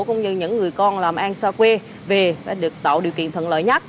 cũng như những người con làm an xa quê về sẽ được tạo điều kiện thuận lợi nhất